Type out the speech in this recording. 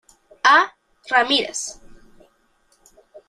A. Ramírez.